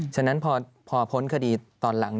ฉะนั้นพอพ้นคดีตอนหลัง